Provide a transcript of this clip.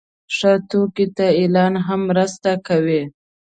ښه توکي ته اعلان هم مرسته کوي.